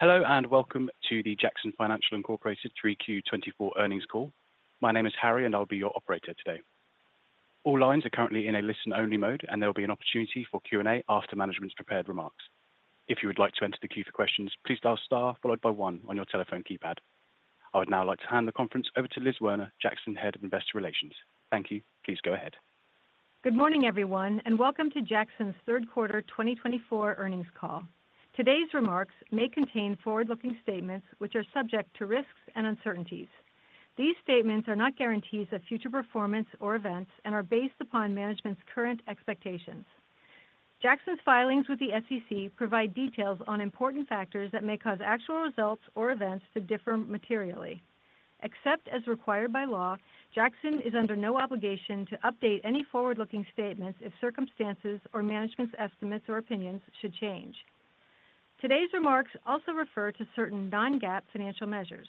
Hello, and welcome to the Jackson Financial Incorporated 3Q24 earnings call. My name is Harry, and I'll be your operator today. All lines are currently in a listen-only mode, and there will be an opportunity for Q&A after management's prepared remarks. If you would like to enter the queue for questions, please dial star followed by 1 on your telephone keypad. I would now like to hand the conference over to Liz Werner, Jackson Head of Investor Relations. Thank you. Please go ahead. Good morning, everyone, and welcome to Jackson's third quarter 2024 earnings call. Today's remarks may contain forward-looking statements, which are subject to risks and uncertainties. These statements are not guarantees of future performance or events and are based upon management's current expectations. Jackson's filings with the SEC provide details on important factors that may cause actual results or events to differ materially. Except as required by law, Jackson is under no obligation to update any forward-looking statements if circumstances or management's estimates or opinions should change. Today's remarks also refer to certain non-GAAP financial measures.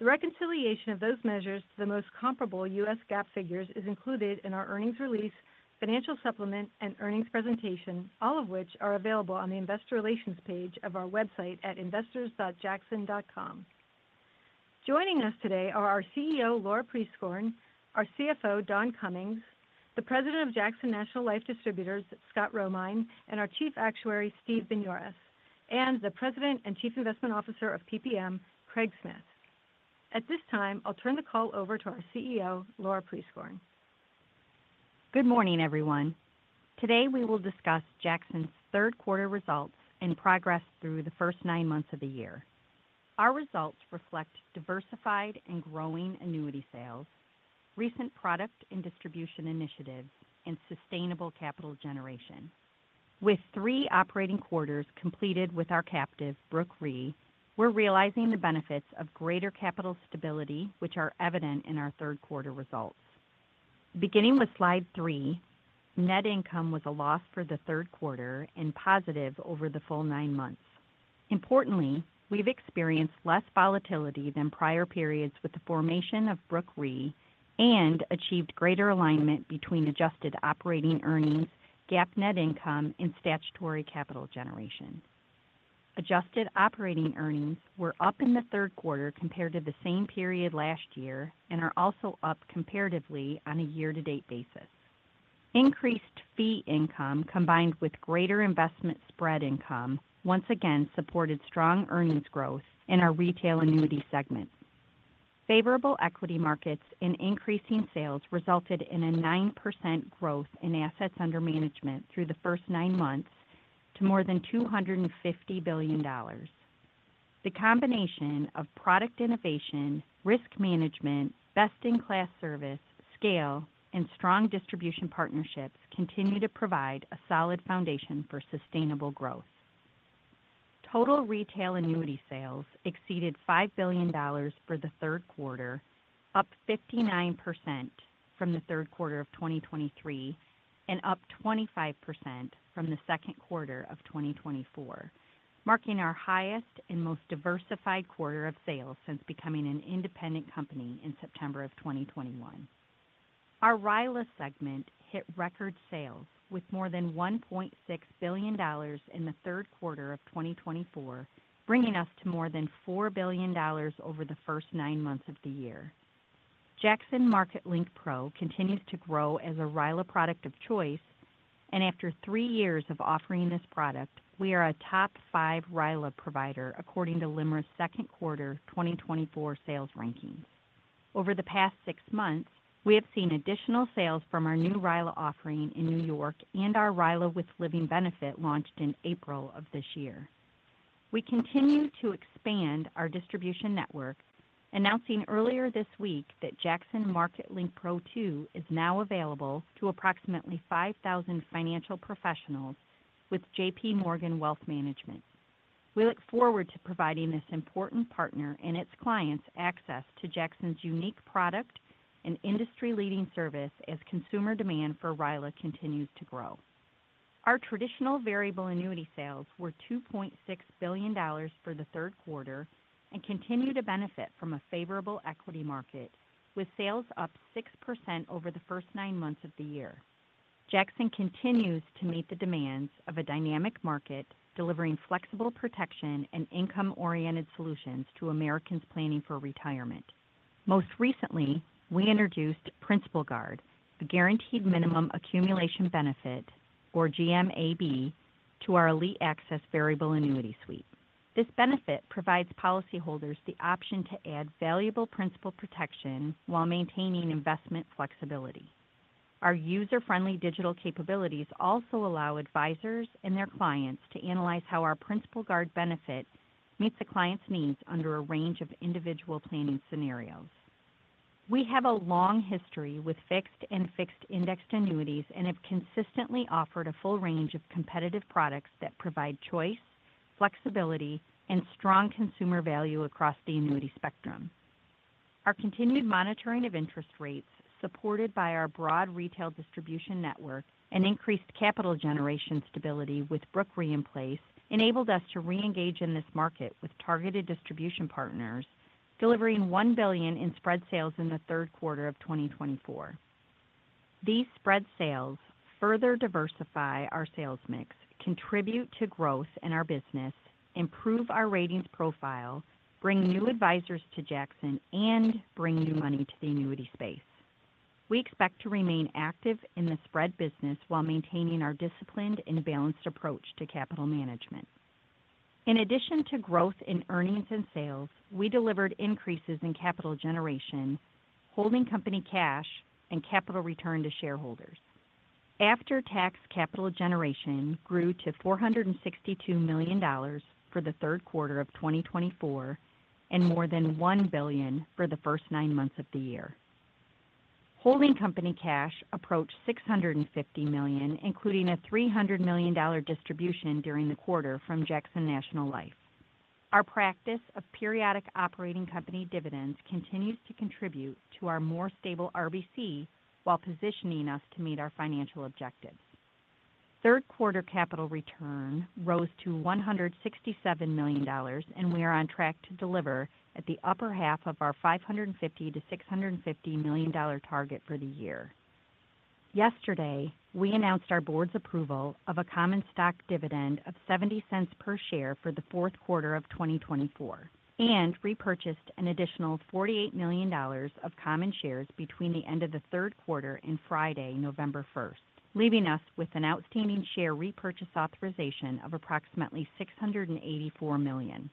The reconciliation of those measures to the most comparable U.S. GAAP figures is included in our earnings release, financial supplement, and earnings presentation, all of which are available on the Investor Relations page of our website at investors.jackson.com. Joining us today are our CEO, Laura Prieskorn, our CFO, Don Cummings, the President of Jackson National Life Distributors, Scott Romine, and our Chief Actuary, Steve Binioris, and the President and Chief Investment Officer of PPM, Craig Smith. At this time, I'll turn the call over to our CEO, Laura Prieskorn. Good morning, everyone. Today we will discuss Jackson's third quarter results and progress through the first nine months of the year. Our results reflect diversified and growing annuity sales, recent product and distribution initiatives, and sustainable capital generation. With three operating quarters completed with our captive, Brooke Re, we're realizing the benefits of greater capital stability, which are evident in our third quarter results. Beginning with slide three, net income was a loss for the third quarter and positive over the full nine months. Importantly, we've experienced less volatility than prior periods with the formation of Brooke Re and achieved greater alignment between adjusted operating earnings, GAAP net income, and statutory capital generation. Adjusted operating earnings were up in the third quarter compared to the same period last year and are also up comparatively on a year-to-date basis. Increased fee income combined with greater investment spread income once again supported strong earnings growth in our retail annuity segment. Favorable equity markets and increasing sales resulted in a 9% growth in assets under management through the first nine months to more than $250 billion. The combination of product innovation, risk management, best-in-class service, scale, and strong distribution partnerships continue to provide a solid foundation for sustainable growth. Total retail annuity sales exceeded $5 billion for the third quarter, up 59% from the third quarter of 2023 and up 25% from the second quarter of 2024, marking our highest and most diversified quarter of sales since becoming an independent company in September of 2021. Our RILA segment hit record sales with more than $1.6 billion in the third quarter of 2024, bringing us to more than $4 billion over the first nine months of the year. Jackson Market Link Pro continues to grow as a RILA product of choice, and after three years of offering this product, we are a top five RILA provider according to LIMRA's second quarter 2024 sales rankings. Over the past six months, we have seen additional sales from our new RILA offering in New York and our RILA with living benefit launched in April of this year. We continue to expand our distribution network, announcing earlier this week that Jackson Market Link Pro II is now available to approximately 5,000 financial professionals with J.P. Morgan Wealth Management. We look forward to providing this important partner and its clients access to Jackson's unique product and industry-leading service as consumer demand for RILA continues to grow. Our traditional variable annuity sales were $2.6 billion for the third quarter and continue to benefit from a favorable equity market, with sales up 6% over the first nine months of the year. Jackson continues to meet the demands of a dynamic market, delivering flexible protection and income-oriented solutions to Americans planning for retirement. Most recently, we introduced Principal Guard, a guaranteed minimum accumulation benefit, or GMAB, to our Elite Access variable annuity suite. This benefit provides policyholders the option to add valuable principal protection while maintaining investment flexibility. Our user-friendly digital capabilities also allow advisors and their clients to analyze how our Principal Guard benefit meets the client's needs under a range of individual planning scenarios. We have a long history with fixed and fixed-indexed annuities and have consistently offered a full range of competitive products that provide choice, flexibility, and strong consumer value across the annuity spectrum. Our continued monitoring of interest rates, supported by our broad retail distribution network and increased capital generation stability with Brooke Re in place, enabled us to reengage in this market with targeted distribution partners, delivering $1 billion in spread sales in the third quarter of 2024. These spread sales further diversify our sales mix, contribute to growth in our business, improve our ratings profile, bring new advisors to Jackson, and bring new money to the annuity space. We expect to remain active in the spread business while maintaining our disciplined and balanced approach to capital management. In addition to growth in earnings and sales, we delivered increases in capital generation, holding company cash, and capital return to shareholders. After-tax capital generation grew to $462 million for the third quarter of 2024 and more than $1 billion for the first nine months of the year. Holding company cash approached $650 million, including a $300 million distribution during the quarter from Jackson National Life. Our practice of periodic operating company dividends continues to contribute to our more stable RBC while positioning us to meet our financial objectives. Third quarter capital return rose to $167 million, and we are on track to deliver at the upper half of our $550-$650 million target for the year. Yesterday, we announced our board's approval of a common stock dividend of $0.70 per share for the fourth quarter of 2024 and repurchased an additional $48 million of common shares between the end of the third quarter and Friday, November 1st, leaving us with an outstanding share repurchase authorization of approximately $684 million.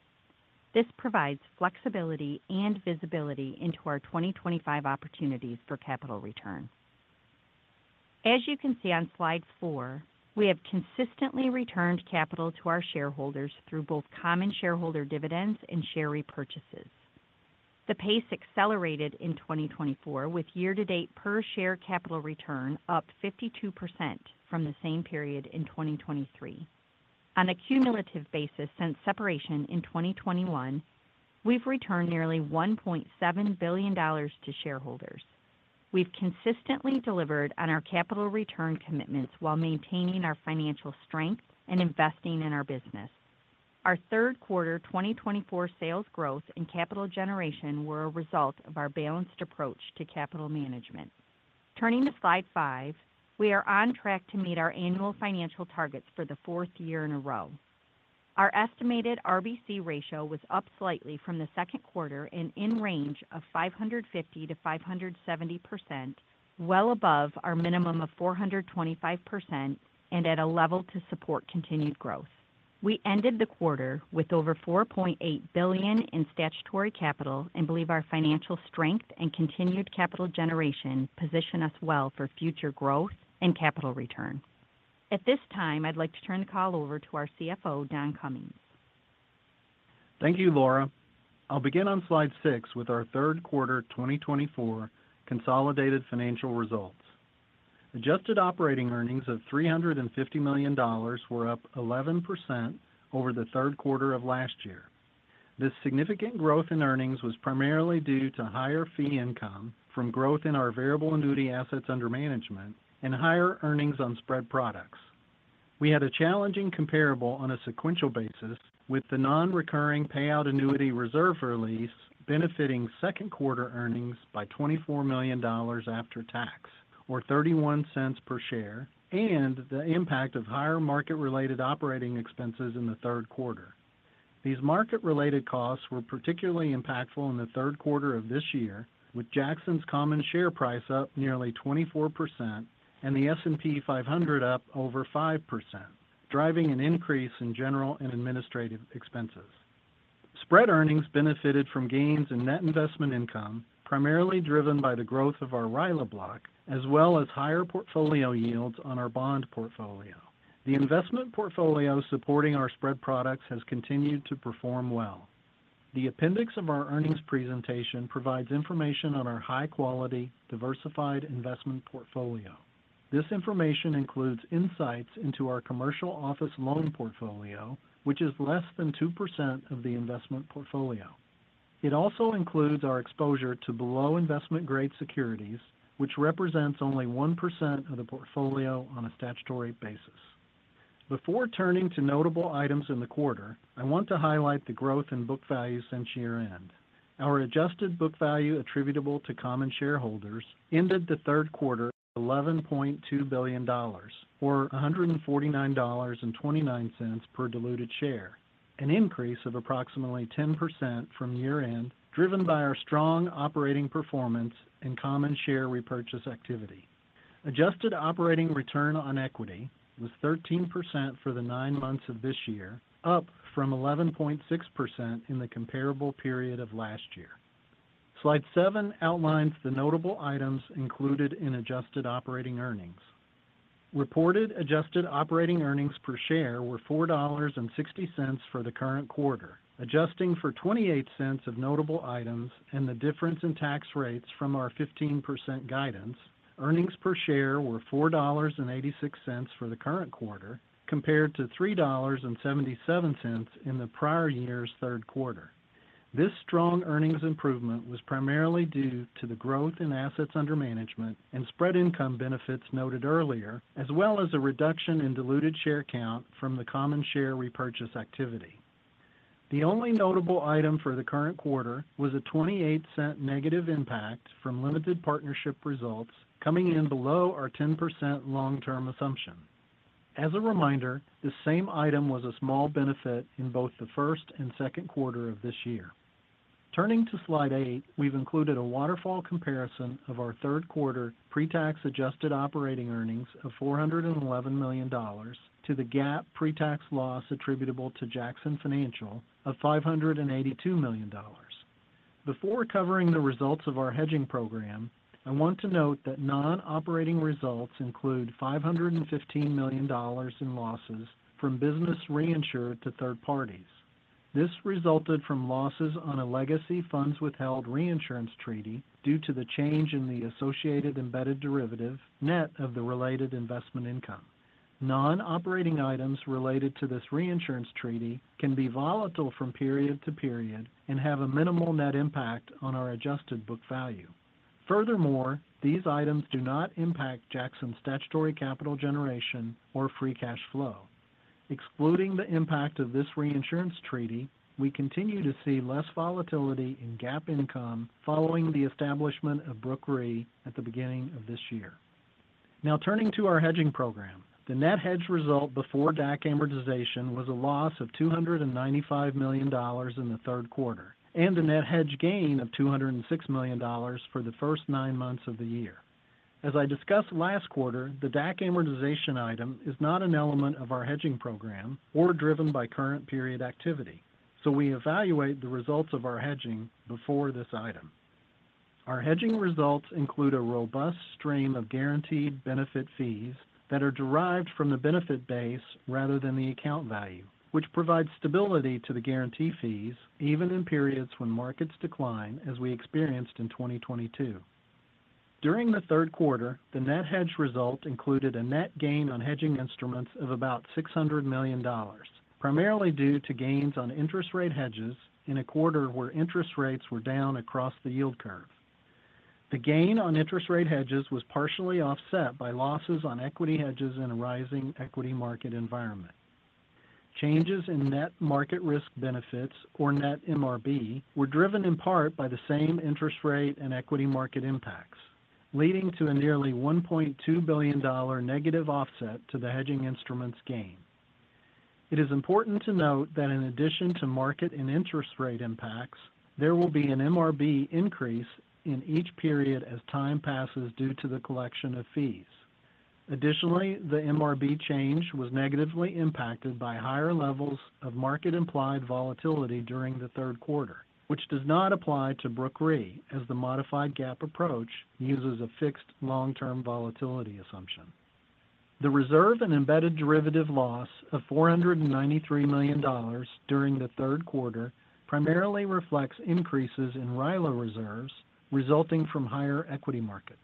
This provides flexibility and visibility into our 2025 opportunities for capital return. As you can see on slide four, we have consistently returned capital to our shareholders through both common shareholder dividends and share repurchases. The pace accelerated in 2024, with year-to-date per-share capital return up 52% from the same period in 2023. On a cumulative basis since separation in 2021, we've returned nearly $1.7 billion to shareholders. We've consistently delivered on our capital return commitments while maintaining our financial strength and investing in our business. Our third quarter 2024 sales growth and capital generation were a result of our balanced approach to capital management. Turning to slide five, we are on track to meet our annual financial targets for the fourth year in a row. Our estimated RBC ratio was up slightly from the second quarter and in range of 550%-570%, well above our minimum of 425% and at a level to support continued growth. We ended the quarter with over $4.8 billion in statutory capital and believe our financial strength and continued capital generation position us well for future growth and capital return. At this time, I'd like to turn the call over to our CFO, Don Cummings. Thank you, Laura. I'll begin on slide six with our third quarter 2024 consolidated financial results. Adjusted operating earnings of $350 million were up 11% over the third quarter of last year. This significant growth in earnings was primarily due to higher fee income from growth in our variable annuity assets under management and higher earnings on spread products. We had a challenging comparable on a sequential basis with the non-recurring payout annuity reserve release benefiting second quarter earnings by $24 million after tax, or $0.31 per share, and the impact of higher market-related operating expenses in the third quarter. These market-related costs were particularly impactful in the third quarter of this year, with Jackson's common share price up nearly 24% and the S&P 500 up over 5%, driving an increase in general and administrative expenses. Spread earnings benefited from gains in net investment income, primarily driven by the growth of our RILA block, as well as higher portfolio yields on our bond portfolio. The investment portfolio supporting our spread products has continued to perform well. The appendix of our earnings presentation provides information on our high-quality, diversified investment portfolio. This information includes insights into our commercial office loan portfolio, which is less than 2% of the investment portfolio. It also includes our exposure to below-investment-grade securities, which represents only 1% of the portfolio on a statutory basis. Before turning to notable items in the quarter, I want to highlight the growth in book value since year-end. Our adjusted book value attributable to common shareholders ended the third quarter at $11.2 billion, or $149.29 per diluted share, an increase of approximately 10% from year-end, driven by our strong operating performance and common share repurchase activity. Adjusted operating return on equity was 13% for the nine months of this year, up from 11.6% in the comparable period of last year. Slide seven outlines the notable items included in adjusted operating earnings. Reported adjusted operating earnings per share were $4.60 for the current quarter, adjusting for $0.28 of notable items and the difference in tax rates from our 15% guidance. Earnings per share were $4.86 for the current quarter, compared to $3.77 in the prior year's third quarter. This strong earnings improvement was primarily due to the growth in assets under management and spread income benefits noted earlier, as well as a reduction in diluted share count from the common share repurchase activity. The only notable item for the current quarter was a $0.28 negative impact from limited partnership results, coming in below our 10% long-term assumption. As a reminder, the same item was a small benefit in both the first and second quarter of this year. Turning to slide eight, we've included a waterfall comparison of our third quarter pre-tax adjusted operating earnings of $411 million to the GAAP pre-tax loss attributable to Jackson Financial of $582 million. Before covering the results of our hedging program, I want to note that non-operating results include $515 million in losses from business reinsured to third parties. This resulted from losses on a legacy funds withheld reinsurance treaty due to the change in the associated embedded derivative net of the related investment income. Non-operating items related to this reinsurance treaty can be volatile from period to period and have a minimal net impact on our adjusted book value. Furthermore, these items do not impact Jackson's statutory capital generation or free cash flow. Excluding the impact of this reinsurance treaty, we continue to see less volatility in GAAP income following the establishment of Brooke Re at the beginning of this year. Now, turning to our hedging program, the net hedge result before DAC amortization was a loss of $295 million in the third quarter and a net hedge gain of $206 million for the first nine months of the year. As I discussed last quarter, the DAC amortization item is not an element of our hedging program or driven by current period activity, so we evaluate the results of our hedging before this item. Our hedging results include a robust stream of guaranteed benefit fees that are derived from the benefit base rather than the account value, which provides stability to the guarantee fees even in periods when markets decline, as we experienced in 2022. During the third quarter, the net hedge result included a net gain on hedging instruments of about $600 million, primarily due to gains on interest rate hedges in a quarter where interest rates were down across the yield curve. The gain on interest rate hedges was partially offset by losses on equity hedges in a rising equity market environment. Changes in net market risk benefits, or net MRB, were driven in part by the same interest rate and equity market impacts, leading to a nearly $1.2 billion negative offset to the hedging instruments gain. It is important to note that in addition to market and interest rate impacts, there will be an MRB increase in each period as time passes due to the collection of fees. Additionally, the MRB change was negatively impacted by higher levels of market-implied volatility during the third quarter, which does not apply to Brooke Re, as the modified GAAP approach uses a fixed long-term volatility assumption. The reserve and embedded derivative loss of $493 million during the third quarter primarily reflects increases in RILA reserves resulting from higher equity markets.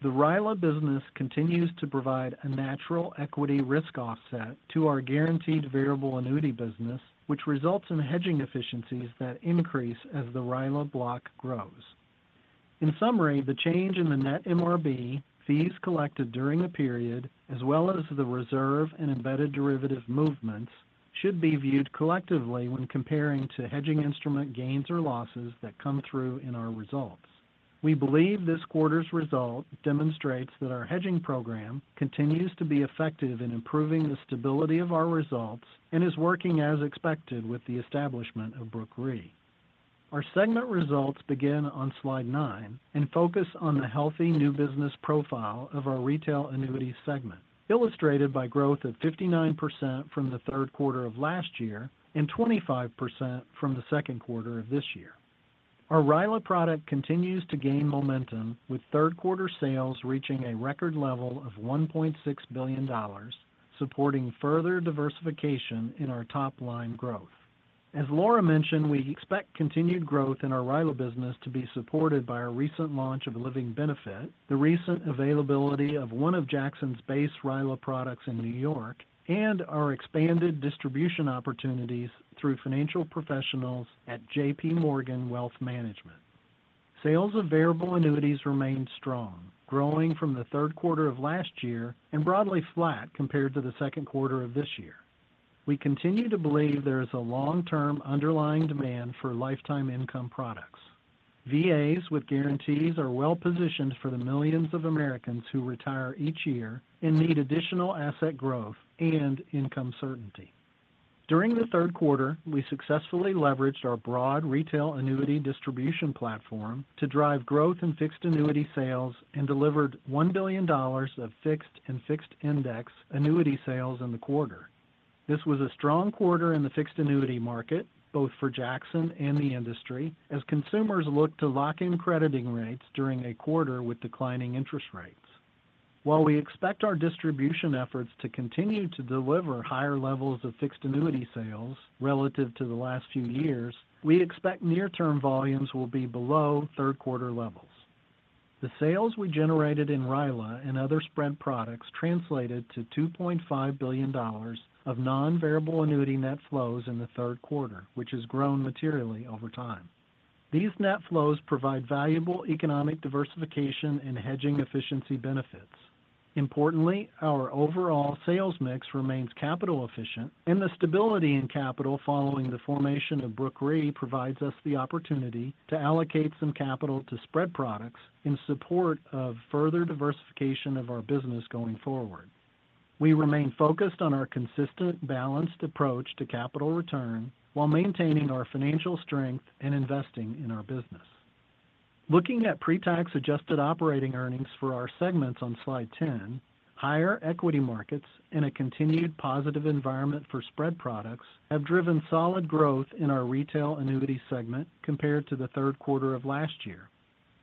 The RILA business continues to provide a natural equity risk offset to our guaranteed variable annuity business, which results in hedging efficiencies that increase as the RILA block grows. In summary, the change in the net MRB, fees collected during the period, as well as the reserve and embedded derivative movements should be viewed collectively when comparing to hedging instrument gains or losses that come through in our results. We believe this quarter's result demonstrates that our hedging program continues to be effective in improving the stability of our results and is working as expected with the establishment of Brooke Re. Our segment results begin on slide nine and focus on the healthy new business profile of our retail annuity segment, illustrated by growth of 59% from the third quarter of last year and 25% from the second quarter of this year. Our RILA product continues to gain momentum, with third quarter sales reaching a record level of $1.6 billion, supporting further diversification in our top-line growth. As Laura mentioned, we expect continued growth in our RILA business to be supported by our recent launch of a living benefit, the recent availability of one of Jackson's base RILA products in New York, and our expanded distribution opportunities through financial professionals at J.P. Morgan Wealth Management. Sales of variable annuities remained strong, growing from the third quarter of last year and broadly flat compared to the second quarter of this year. We continue to believe there is a long-term underlying demand for lifetime income products. VAs with guarantees are well-positioned for the millions of Americans who retire each year and need additional asset growth and income certainty. During the third quarter, we successfully leveraged our broad retail annuity distribution platform to drive growth in fixed annuity sales and delivered $1 billion of fixed and fixed index annuity sales in the quarter. This was a strong quarter in the fixed annuity market, both for Jackson and the industry, as consumers looked to lock in crediting rates during a quarter with declining interest rates. While we expect our distribution efforts to continue to deliver higher levels of fixed annuity sales relative to the last few years, we expect near-term volumes will be below third-quarter levels. The sales we generated in RILA and other spread products translated to $2.5 billion of non-variable annuity net flows in the third quarter, which has grown materially over time. These net flows provide valuable economic diversification and hedging efficiency benefits. Importantly, our overall sales mix remains capital efficient, and the stability in capital following the formation of Brooke Re provides us the opportunity to allocate some capital to spread products in support of further diversification of our business going forward. We remain focused on our consistent, balanced approach to capital return while maintaining our financial strength and investing in our business. Looking at pre-tax adjusted operating earnings for our segments on slide ten, higher equity markets and a continued positive environment for spread products have driven solid growth in our retail annuity segment compared to the third quarter of last year.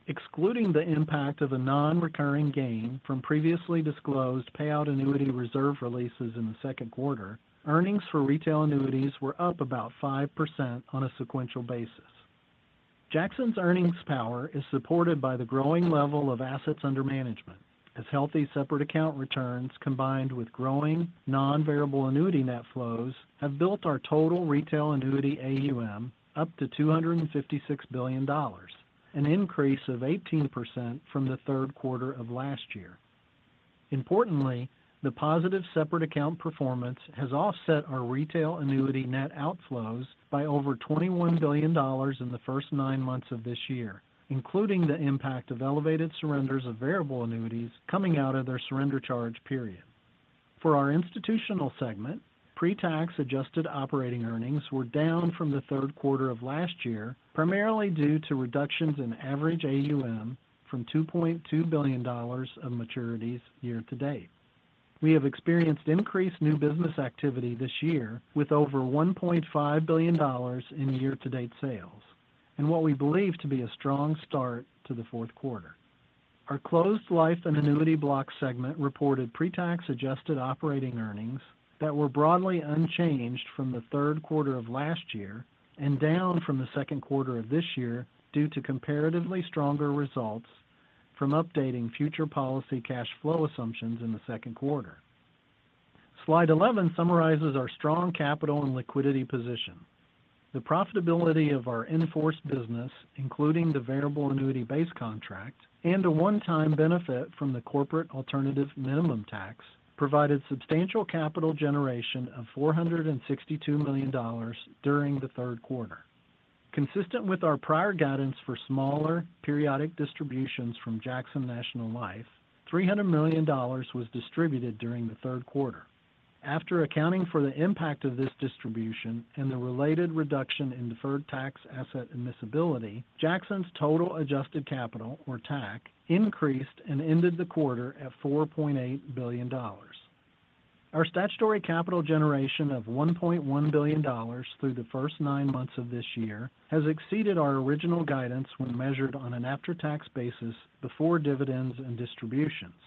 Excluding the impact of a non-recurring gain from previously disclosed payout annuity reserve releases in the second quarter, earnings for retail annuities were up about 5% on a sequential basis. Jackson's earnings power is supported by the growing level of assets under management, as healthy separate account returns combined with growing non-variable annuity net flows have built our total retail annuity AUM up to $256 billion, an increase of 18% from the third quarter of last year. Importantly, the positive separate account performance has offset our retail annuity net outflows by over $21 billion in the first nine months of this year, including the impact of elevated surrenders of variable annuities coming out of their surrender charge period. For our institutional segment, pre-tax adjusted operating earnings were down from the third quarter of last year, primarily due to reductions in average AUM from $2.2 billion of maturities year-to-date. We have experienced increased new business activity this year, with over $1.5 billion in year-to-date sales, and what we believe to be a strong start to the fourth quarter. Our closed life and annuity block segment reported pre-tax adjusted operating earnings that were broadly unchanged from the third quarter of last year and down from the second quarter of this year due to comparatively stronger results from updating future policy cash flow assumptions in the second quarter. Slide 11 summarizes our strong capital and liquidity position. The profitability of our in-force business, including the variable annuity base contract and a one-time benefit from the corporate alternative minimum tax, provided substantial capital generation of $462 million during the third quarter. Consistent with our prior guidance for smaller periodic distributions from Jackson National Life, $300 million was distributed during the third quarter. After accounting for the impact of this distribution and the related reduction in deferred tax asset admissibility, Jackson's total adjusted capital, or TAC, increased and ended the quarter at $4.8 billion. Our statutory capital generation of $1.1 billion through the first nine months of this year has exceeded our original guidance when measured on an after-tax basis before dividends and distributions.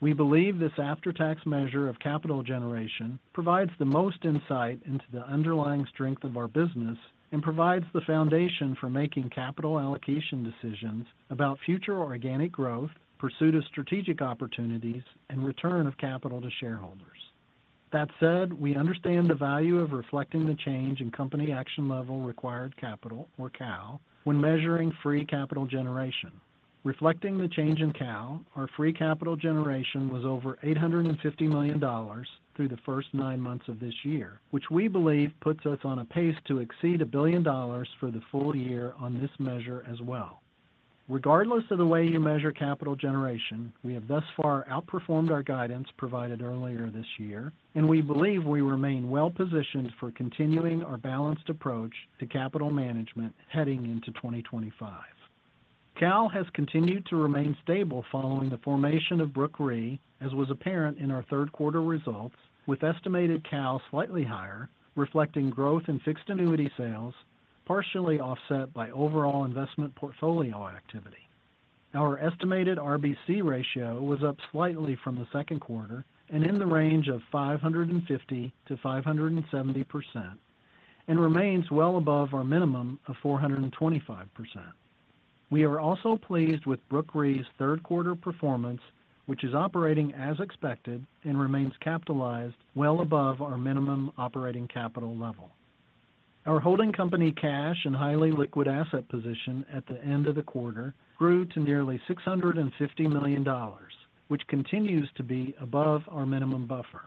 We believe this after-tax measure of capital generation provides the most insight into the underlying strength of our business and provides the foundation for making capital allocation decisions about future organic growth, pursuit of strategic opportunities, and return of capital to shareholders. That said, we understand the value of reflecting the change in Company Action Level required capital, or CAL, when measuring free capital generation. Reflecting the change in CAL, our free capital generation was over $850 million through the first nine months of this year, which we believe puts us on a pace to exceed $1 billion for the full year on this measure as well. Regardless of the way you measure capital generation, we have thus far outperformed our guidance provided earlier this year, and we believe we remain well-positioned for continuing our balanced approach to capital management heading into 2025. CAL has continued to remain stable following the formation of Brooke Re, as was apparent in our third quarter results, with estimated CAL slightly higher, reflecting growth in fixed annuity sales, partially offset by overall investment portfolio activity. Our estimated RBC ratio was up slightly from the second quarter and in the range of 550%-570% and remains well above our minimum of 425%. We are also pleased with Brooke Re's third quarter performance, which is operating as expected and remains capitalized well above our minimum operating capital level. Our holding company cash and highly liquid asset position at the end of the quarter grew to nearly $650 million, which continues to be above our minimum buffer.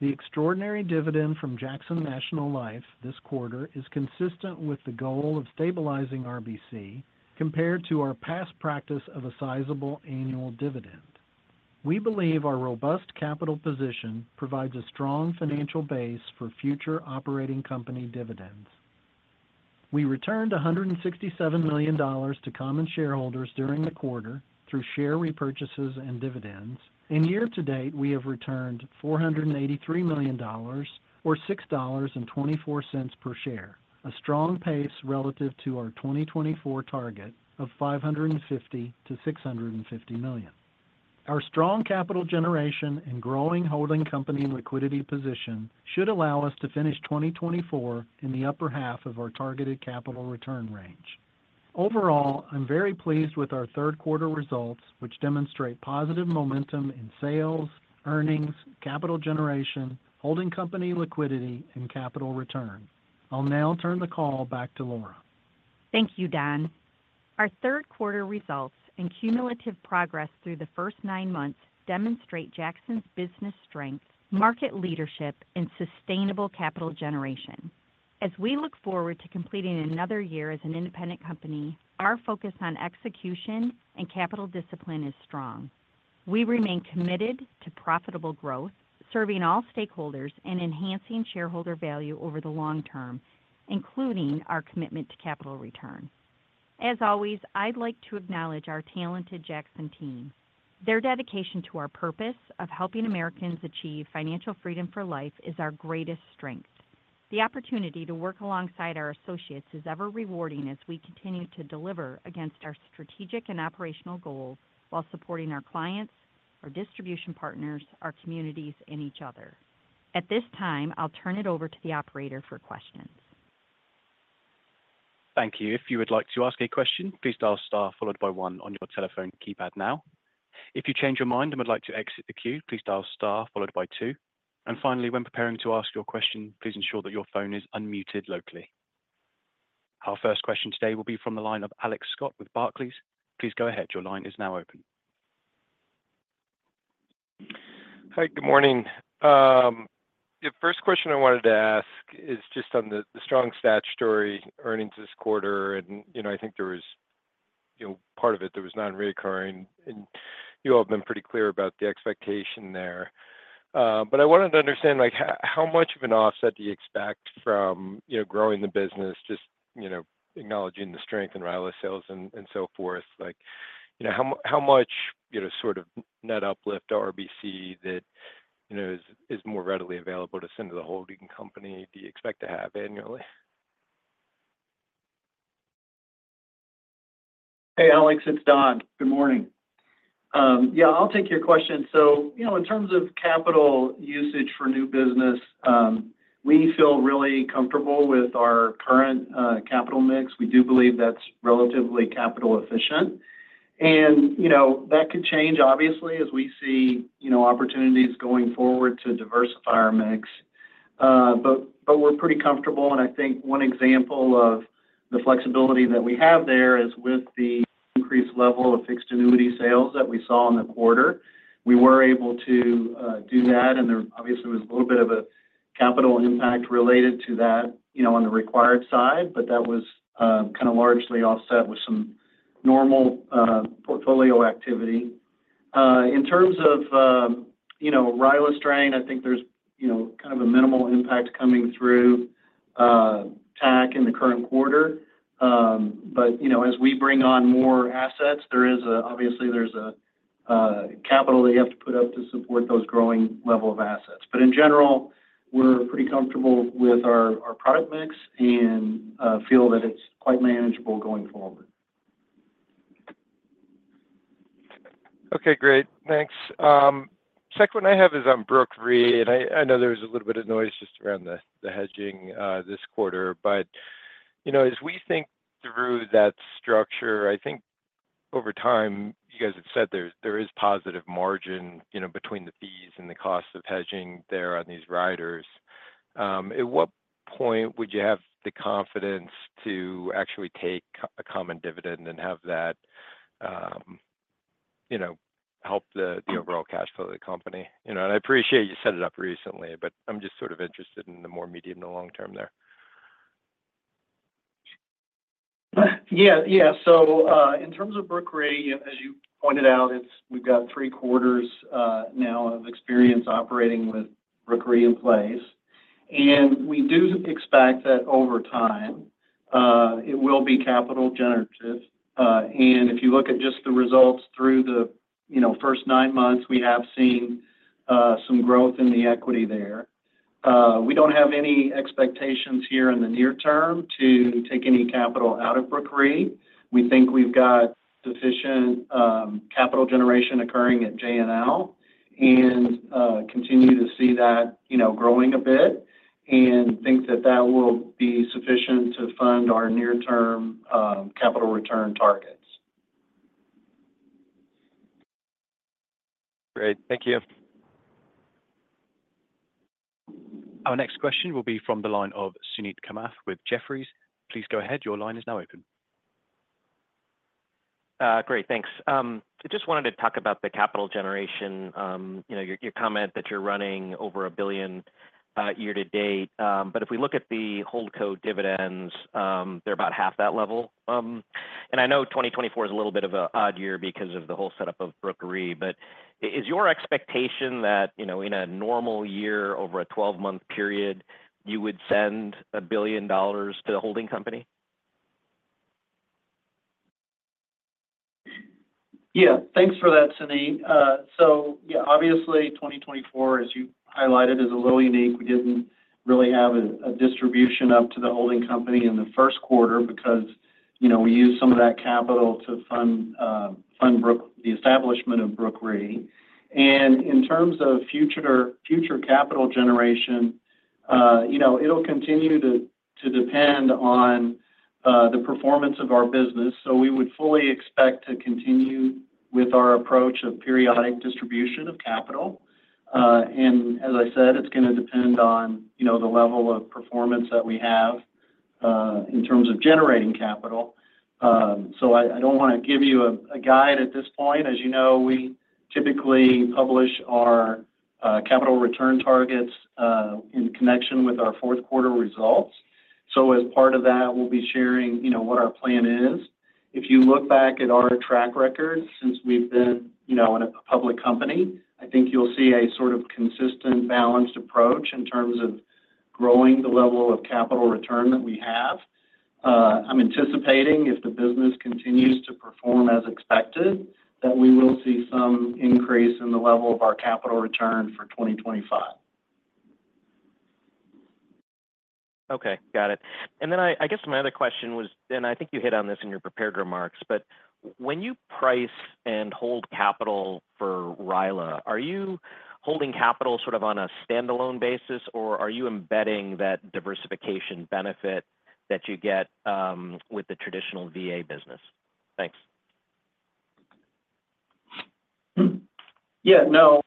The extraordinary dividend from Jackson National Life this quarter is consistent with the goal of stabilizing RBC compared to our past practice of a sizable annual dividend. We believe our robust capital position provides a strong financial base for future operating company dividends. We returned $167 million to common shareholders during the quarter through share repurchases and dividends, and year-to-date we have returned $483 million, or $6.24 per share, a strong pace relative to our 2024 target of $550-$650 million. Our strong capital generation and growing holding company liquidity position should allow us to finish 2024 in the upper half of our targeted capital return range. Overall, I'm very pleased with our third quarter results, which demonstrate positive momentum in sales, earnings, capital generation, holding company liquidity, and capital return. I'll now turn the call back to Laura. Thank you, Don. Our third quarter results and cumulative progress through the first nine months demonstrate Jackson's business strength, market leadership, and sustainable capital generation. As we look forward to completing another year as an independent company, our focus on execution and capital discipline is strong. We remain committed to profitable growth, serving all stakeholders and enhancing shareholder value over the long term, including our commitment to capital return. As always, I'd like to acknowledge our talented Jackson team. Their dedication to our purpose of helping Americans achieve financial freedom for life is our greatest strength. The opportunity to work alongside our associates is ever rewarding as we continue to deliver against our strategic and operational goals while supporting our clients, our distribution partners, our communities, and each other. At this time, I'll turn it over to the operator for questions. Thank you. If you would like to ask a question, please dial star followed by one on your telephone keypad now. If you change your mind and would like to exit the queue, please dial star followed by two. Finally, when preparing to ask your question, please ensure that your phone is unmuted locally. Our first question today will be from the line of Alex Scott with Barclays. Please go ahead. Your line is now open. Hi. Good morning. The first question I wanted to ask is just on the strong stat story, earnings this quarter, and I think there was part of it that was non-recurring, and you all have been pretty clear about the expectation there. I wanted to understand how much of an offset you expect from growing the business, just acknowledging the strength in RILA sales and so forth. How much sort of net uplift RBC that is more readily available to send to the holding company do you expect to have annually? Hey, Alex. It's Don. Good morning. Yeah, I'll take your question. So in terms of capital usage for new business, we feel really comfortable with our current capital mix. We do believe that's relatively capital efficient, and that could change, obviously, as we see opportunities going forward to diversify our mix. But we're pretty comfortable, and I think one example of the flexibility that we have there is with the increased level of fixed annuity sales that we saw in the quarter. We were able to do that, and there obviously was a little bit of a capital impact related to that on the required side, but that was kind of largely offset with some normal portfolio activity. In terms of RILA strain, I think there's kind of a minimal impact coming through TAC in the current quarter. But as we bring on more assets, obviously, there's capital that you have to put up to support those growing level of assets. But in general, we're pretty comfortable with our product mix and feel that it's quite manageable going forward. Okay. Great. Thanks. Second one I have is on Brooke Re, and I know there was a little bit of noise just around the hedging this quarter. But as we think through that structure, I think over time, you guys have said there is positive margin between the fees and the cost of hedging there on these riders. At what point would you have the confidence to actually take a common dividend and have that help the overall cash flow of the company? And I appreciate you set it up recently, but I'm just sort of interested in the more medium to long term there. Yeah. Yeah. So in terms of Brooke Re, as you pointed out, we've got three quarters now of experience operating with Brooke Re in place. And we do expect that over time, it will be capital generative. And if you look at just the results through the first nine months, we have seen some growth in the equity there. We don't have any expectations here in the near term to take any capital out of Brooke Re. We think we've got sufficient capital generation occurring at J&L and continue to see that growing a bit and think that that will be sufficient to fund our near-term capital return targets. Great. Thank you. Our next question will be from the line of Suneet Kamath with Jefferies. Please go ahead. Your line is now open. Great. Thanks. I just wanted to talk about the capital generation, your comment that you're running over $1 billion year-to-date. But if we look at the hold co dividends, they're about half that level. And I know 2024 is a little bit of an odd year because of the whole setup of Brooke Re, but is your expectation that in a normal year over a 12-month period, you would send $1 billion to the holding company? Yeah. Thanks for that, Suneet. So yeah, obviously, 2024, as you highlighted, is a little unique. We didn't really have a distribution up to the holding company in the first quarter because we used some of that capital to fund the establishment of Brooke Re. And in terms of future capital generation, it'll continue to depend on the performance of our business. So we would fully expect to continue with our approach of periodic distribution of capital. And as I said, it's going to depend on the level of performance that we have in terms of generating capital. So I don't want to give you a guide at this point. As you know, we typically publish our capital return targets in connection with our fourth quarter results. So as part of that, we'll be sharing what our plan is. If you look back at our track record, since we've been a public company, I think you'll see a sort of consistent balanced approach in terms of growing the level of capital return that we have. I'm anticipating, if the business continues to perform as expected, that we will see some increase in the level of our capital return for 2025. Okay. Got it. And then I guess my other question was, and I think you hit on this in your prepared remarks, but when you price and hold capital for RILA, are you holding capital sort of on a standalone basis, or are you embedding that diversification benefit that you get with the traditional VA business? Thanks. Yeah. No.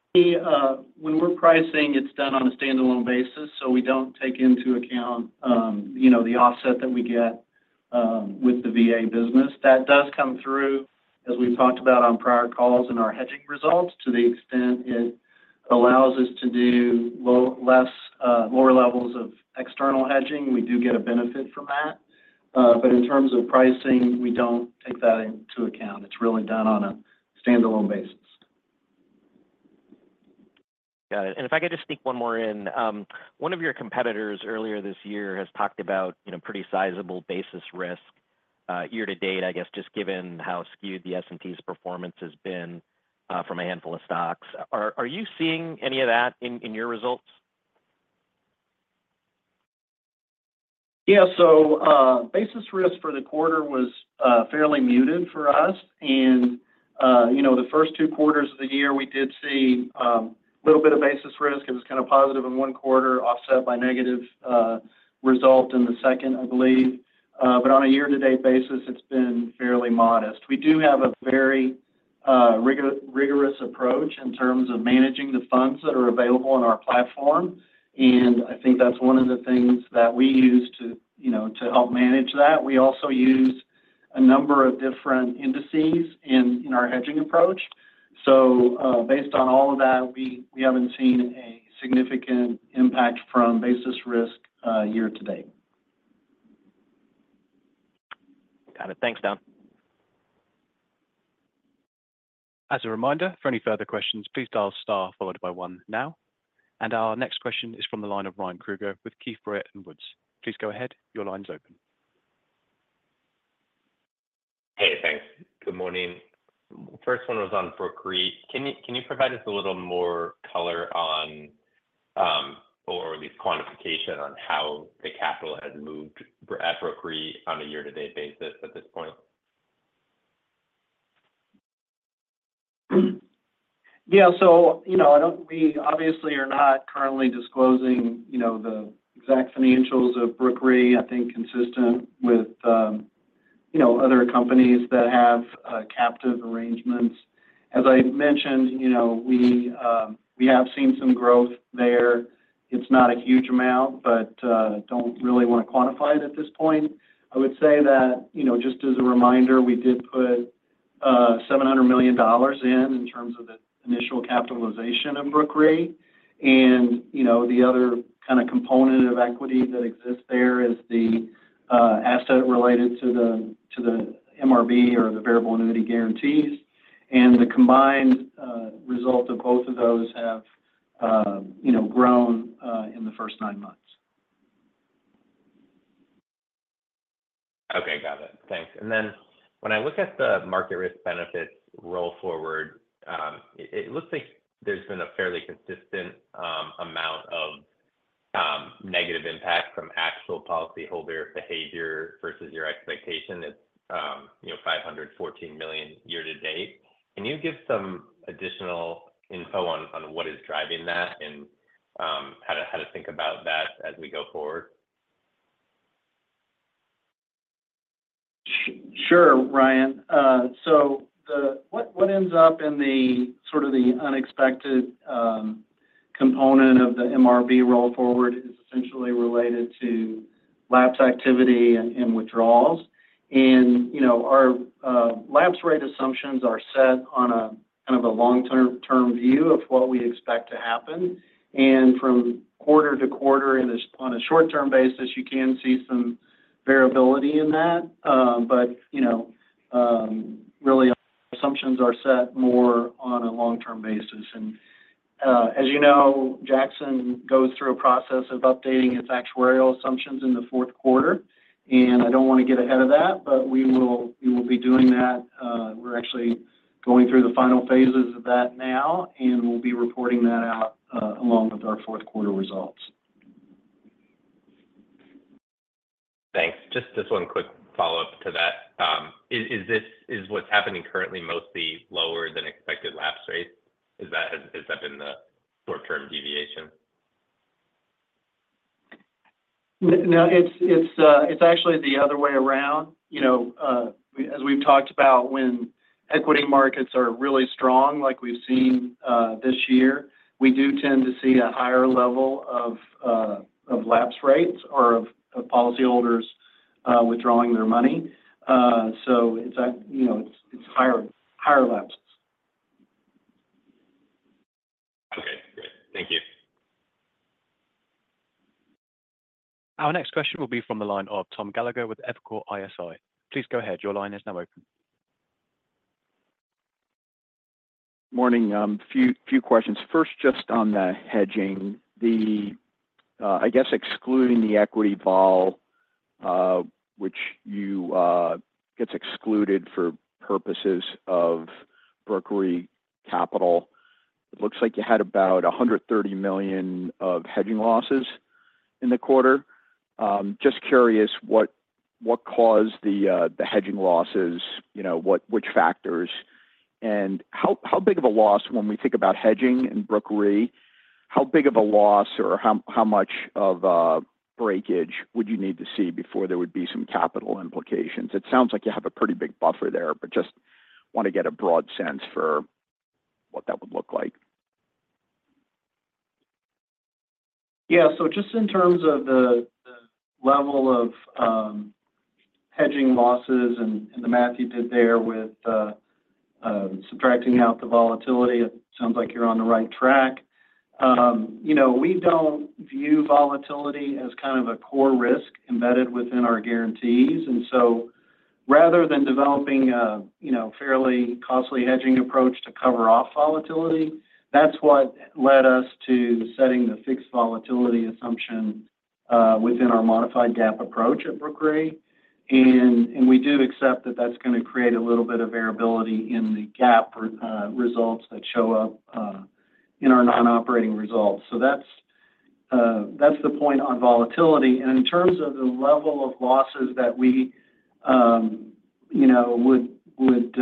When we're pricing, it's done on a standalone basis, so we don't take into account the offset that we get with the VA business. That does come through, as we've talked about on prior calls in our hedging results, to the extent it allows us to do lower levels of external hedging. We do get a benefit from that. But in terms of pricing, we don't take that into account. It's really done on a standalone basis. Got it. And if I could just sneak one more in, one of your competitors earlier this year has talked about pretty sizable basis risk year-to-date, I guess, just given how skewed the S&P's performance has been from a handful of stocks. Are you seeing any of that in your results? Yeah. So basis risk for the quarter was fairly muted for us. And the first two quarters of the year, we did see a little bit of basis risk. It was kind of positive in one quarter, offset by negative result in the second, I believe. But on a year-to-date basis, it's been fairly modest. We do have a very rigorous approach in terms of managing the funds that are available on our platform, and I think that's one of the things that we use to help manage that. We also use a number of different indices in our hedging approach. So based on all of that, we haven't seen a significant impact from basis risk year-to-date. Got it. Thanks, Don. As a reminder, for any further questions, please dial star followed by one now. And our next question is from the line of Ryan Krueger with Keefe, Bruyette & Woods. Please go ahead. Your line's open. Hey. Thanks. Good morning. First one was on Brooke Re. Can you provide us a little more color on, or at least quantification, on how the capital has moved at Brooke Re on a year-to-date basis at this point? Yeah. So we obviously are not currently disclosing the exact financials of Brooke Re, I think, consistent with other companies that have captive arrangements. As I mentioned, we have seen some growth there. It's not a huge amount, but I don't really want to quantify it at this point. I would say that just as a reminder, we did put $700 million in terms of the initial capitalization of Brooke Re. And the other kind of component of equity that exists there is the asset related to the MRB or the variable annuity guarantees. And the combined result of both of those have grown in the first nine months. Okay. Got it. Thanks. And then when I look at the market risk benefits roll forward, it looks like there's been a fairly consistent amount of negative impact from actual policyholder behavior versus your expectation. It's $514 million year-to-date. Can you give some additional info on what is driving that and how to think about that as we go forward? Sure, Ryan. So what ends up in sort of the unexpected component of the MRB roll forward is essentially related to lapse activity and withdrawals. Our lapse rate assumptions are set on a kind of a long-term view of what we expect to happen. From quarter to quarter, on a short-term basis, you can see some variability in that. Really, assumptions are set more on a long-term basis. As you know, Jackson goes through a process of updating its actuarial assumptions in the fourth quarter. I don't want to get ahead of that, but we will be doing that. We're actually going through the final phases of that now, and we'll be reporting that out along with our fourth quarter results. Thanks. Just this one quick follow-up to that. Is what's happening currently mostly lower than expected lapse rates? Has that been the short-term deviation? No, it's actually the other way around. As we've talked about, when equity markets are really strong, like we've seen this year, we do tend to see a higher level of lapse rates or of policyholders withdrawing their money. So it's higher lapses. Okay. Great. Thank you. Our next question will be from the line of Tom Gallagher with Evercore ISI. Please go ahead. Your line is now open. Morning. A few questions. First, just on the hedging, I guess excluding the equity vol, which gets excluded for purposes of Brooke Re capital, it looks like you had about $130 million of hedging losses in the quarter. Just curious, what caused the hedging losses? Which factors? And how big of a loss when we think about hedging and Brooke Re, how big of a loss or how much of a breakage would you need to see before there would be some capital implications? It sounds like you have a pretty big buffer there, but just want to get a broad sense for what that would look like. Yeah. So just in terms of the level of hedging losses and the math you did there with subtracting out the volatility, it sounds like you're on the right track. We don't view volatility as kind of a core risk embedded within our guarantees. And so rather than developing a fairly costly hedging approach to cover off volatility, that's what led us to setting the fixed volatility assumption within our modified GAAP approach at Brooke Re. And we do accept that that's going to create a little bit of variability in the GAAP results that show up in our non-operating results. So that's the point on volatility. In terms of the level of losses that we would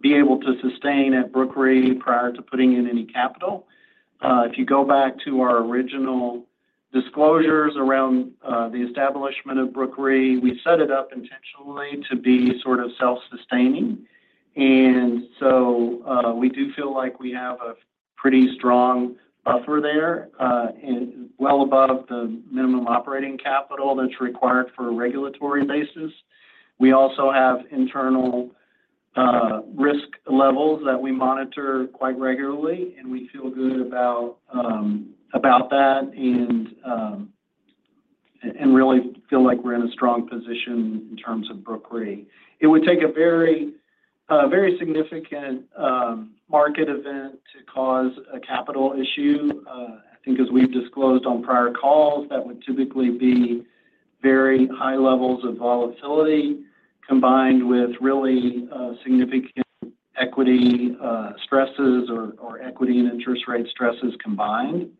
be able to sustain at Brooke Re prior to putting in any capital, if you go back to our original disclosures around the establishment of Brooke Re, we set it up intentionally to be sort of self-sustaining. And so we do feel like we have a pretty strong buffer there, well above the minimum operating capital that's required for a regulatory basis. We also have internal risk levels that we monitor quite regularly, and we feel good about that and really feel like we're in a strong position in terms of Brooke Re. It would take a very significant market event to cause a capital issue. I think as we've disclosed on prior calls, that would typically be very high levels of volatility combined with really significant equity stresses or equity and interest rate stresses combined.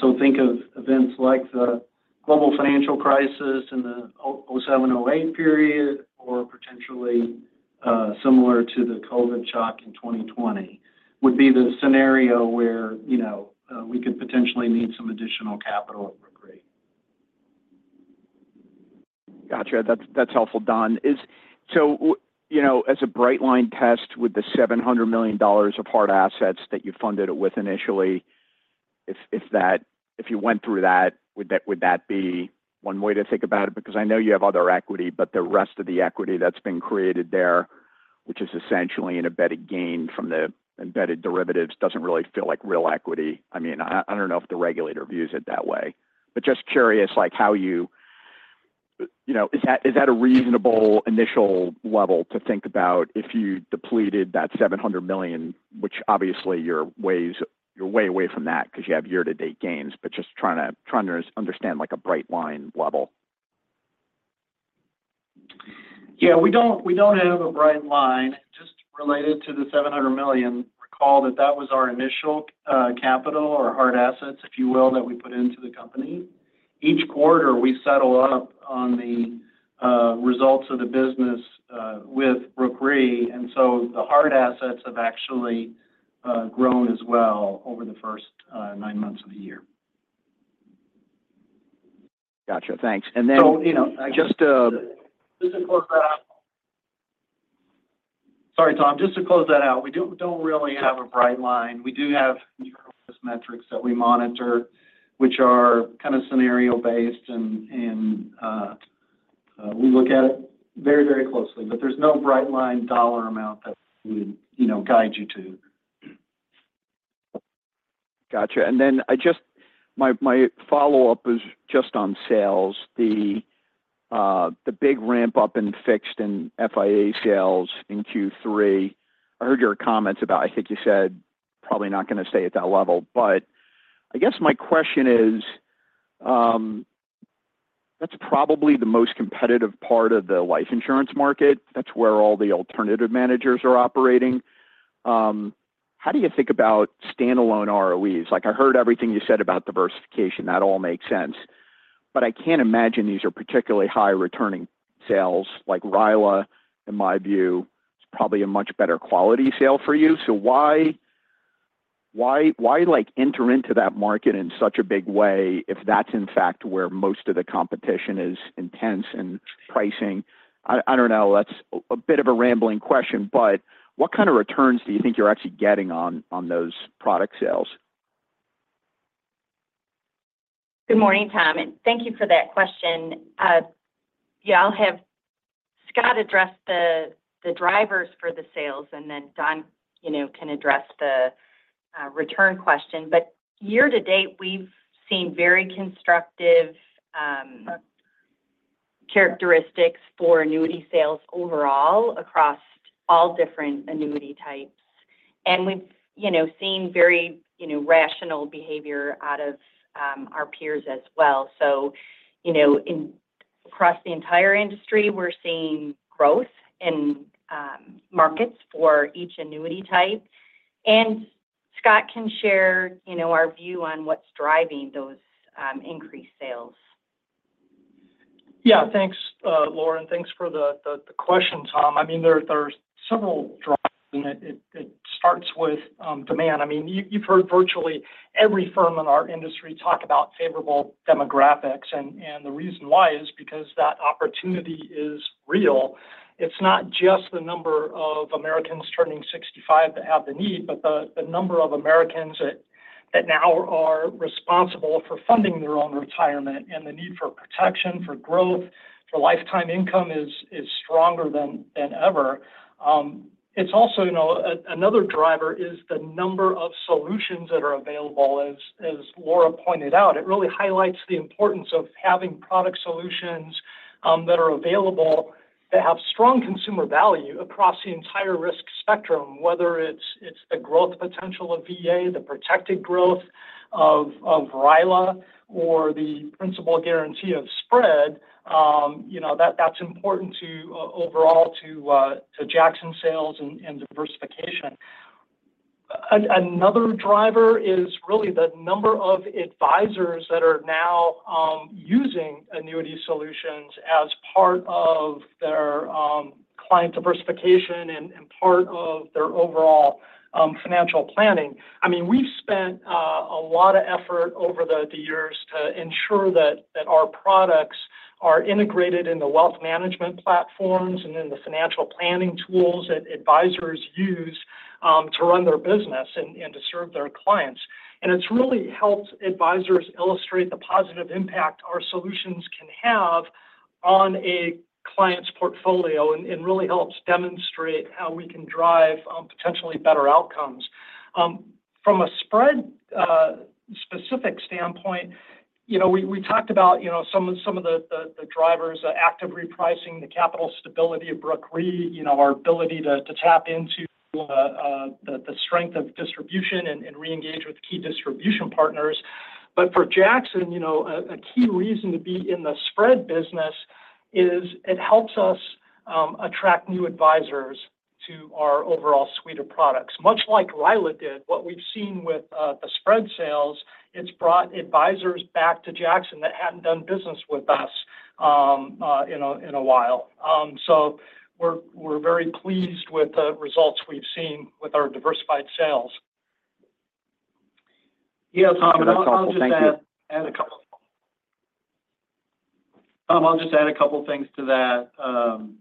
So think of events like the global financial crisis in the 2007, 2008 period, or potentially similar to the COVID shock in 2020 would be the scenario where we could potentially need some additional capital at Brooke Re. Gotcha. That's helpful, Don. So as a bright line test with the $700 million of hard assets that you funded it with initially, if you went through that, would that be one way to think about it? Because I know you have other equity, but the rest of the equity that's been created there, which is essentially an embedded gain from the embedded derivatives, doesn't really feel like real equity. I mean, I don't know if the regulator views it that way. Just curious, how is that a reasonable initial level to think about if you depleted that $700 million, which obviously you're way away from that because you have year-to-date gains, but just trying to understand a bright line level? Yeah. We don't have a bright line. Just related to the $700 million, recall that that was our initial capital or hard assets, if you will, that we put into the company. Each quarter, we settle up on the results of the business with Brooke Re. And so the hard assets have actually grown as well over the first nine months of the year. Gotcha. Thanks. Sorry, Tom. Just to close that out, we don't really have a bright line. We do have metrics that we monitor, which are kind of scenario-based, and we look at it very, very closely. But there's no bright line dollar amount that would guide you to. Gotcha. And then my follow-up is just on sales. The big ramp-up in fixed and FIA sales in Q3, I heard your comments about, I think you said, "Probably not going to stay at that level." But I guess my question is, that's probably the most competitive part of the life insurance market. That's where all the alternative managers are operating. How do you think about standalone ROEs? I heard everything you said about diversification. That all makes sense. But I can't imagine these are particularly high-returning sales. RILA, in my view, is probably a much better quality sale for you. So why enter into that market in such a big way if that's, in fact, where most of the competition is intense in pricing? I don't know. That's a bit of a rambling question, but what kind of returns do you think you're actually getting on those product sales? Good morning, Tom. And thank you for that question. Scott addressed the drivers for the sales, and then Don can address the return question. But year-to-date, we've seen very constructive characteristics for annuity sales overall across all different annuity types. And we've seen very rational behavior out of our peers as well. So across the entire industry, we're seeing growth in markets for each annuity type. And Scott can share our view on what's driving those increased sales. Yeah. Thanks, Laura. Thanks for the question, Tom. I mean, there are several drivers, and it starts with demand. I mean, you've heard virtually every firm in our industry talk about favorable demographics. And the reason why is because that opportunity is real. It's not just the number of Americans turning 65 that have the need, but the number of Americans that now are responsible for funding their own retirement, and the need for protection, for growth, for lifetime income is stronger than ever. It's also. Another driver is the number of solutions that are available. As Laura pointed out, it really highlights the importance of having product solutions that are available that have strong consumer value across the entire risk spectrum, whether it's the growth potential of VA, the protected growth of RILA, or the principal guarantee of spread. That's important overall to Jackson sales and diversification. Another driver is really the number of advisors that are now using annuity solutions as part of their client diversification and part of their overall financial planning. I mean, we've spent a lot of effort over the years to ensure that our products are integrated into wealth management platforms and in the financial planning tools that advisors use to run their business and to serve their clients. And it's really helped advisors illustrate the positive impact our solutions can have on a client's portfolio and really helps demonstrate how we can drive potentially better outcomes. From a spread-specific standpoint, we talked about some of the drivers: active repricing, the capital stability of Brooke Re, our ability to tap into the strength of distribution and re-engage with key distribution partners. But for Jackson, a key reason to be in the spread business is it helps us attract new advisors to our overall suite of products. Much like RILA did, what we've seen with the spread sales, it's brought advisors back to Jackson that hadn't done business with us in a while. So we're very pleased with the results we've seen with our diversified sales. Yeah, Tom, I'll just add a couple of things to that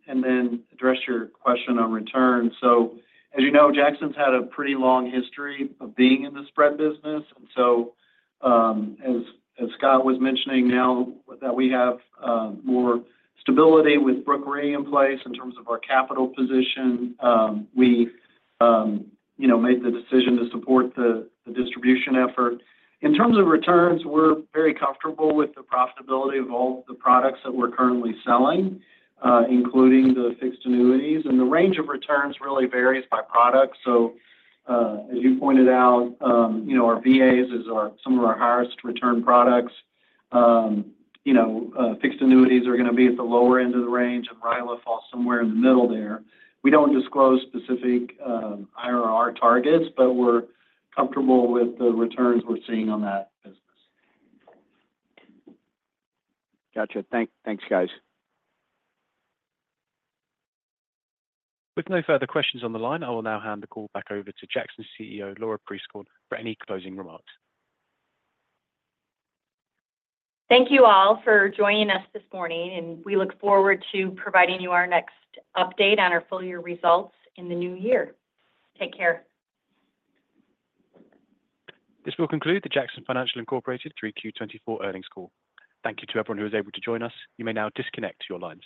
and then address your question on return. So as you know, Jackson's had a pretty long history of being in the spread business. And so as Scott was mentioning now that we have more stability with Brooke Re in place in terms of our capital position, we made the decision to support the distribution effort. In terms of returns, we're very comfortable with the profitability of all the products that we're currently selling, including the fixed annuities. And the range of returns really varies by product. So as you pointed out, our VAs are some of our highest return products. Fixed annuities are going to be at the lower end of the range, and RILA falls somewhere in the middle there. We don't disclose specific IRR targets, but we're comfortable with the returns we're seeing on that business. Gotcha. Thanks, guys. With no further questions on the line, I will now hand the call back over to Jackson's CEO, Laura Prieskorn, for any closing remarks. Thank you all for joining us this morning, and we look forward to providing you our next update on our full year results in the new year. Take care. This will conclude the Jackson Financial Incorporated 3Q24 earnings call. Thank you to everyone who was able to join us. You may now disconnect your lines.